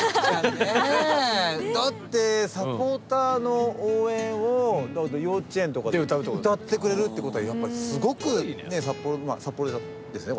だってサポーターの応援を幼稚園とかで歌ってくれるっていうことはやっぱりすごく札幌ですね